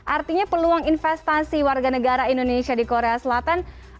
artinya peluang investasi warga negara indonesia di korea selatan